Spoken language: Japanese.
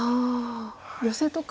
ヨセとか。